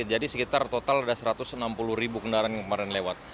jadi sekitar total ada satu ratus enam puluh kendaraan yang kemarin lewat